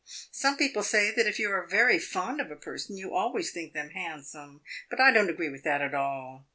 Some people say that if you are very fond of a person you always think them handsome; but I don't agree with that at all.